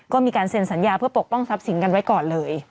ก็มีการเซ็นสัญญาเพื่อปกป้องทรัพย์สินกันไว้ก่อนเลย